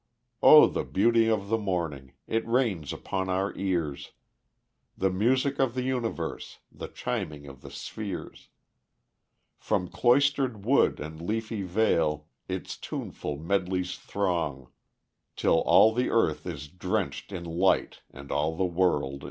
Oh, the beauty of the morning! It rains upon our ears: The music of the universe, the chiming of the spheres; From cloistered wood and leafy vale, its tuneful medleys throng, Till all the earth is drenched in light and all the world in song!